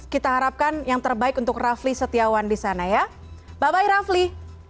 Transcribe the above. kita harapkan yang terbaik untuk rafli setiawan di sana ya bapak bayi rafli